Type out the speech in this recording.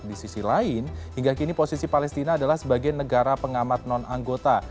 di sisi lain hingga kini posisi palestina adalah sebagai negara pengamat non anggota